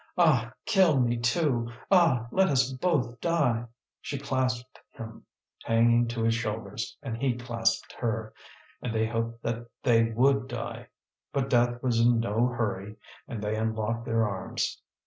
"Ah, kill me too! Ah, let us both die!" She clasped him, hanging to his shoulders, and he clasped her; and they hoped that they would die. But death was in no hurry, and they unlocked their arms.